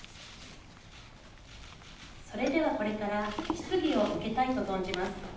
それではこれから質疑を受けたいと存じます。